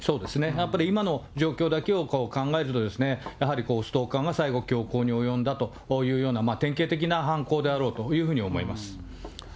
やっぱり今の状況だけを考えると、やはりストーカーが最後、凶行に及んだというような典型的な犯行であろうというふうに思います。